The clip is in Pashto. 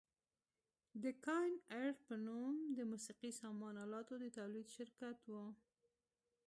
د کاین ارټ په نوم د موسقي سامان الاتو د تولید شرکت و.